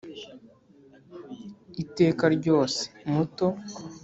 iteka ryose, muto